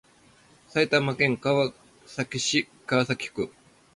埼玉県川崎市川崎区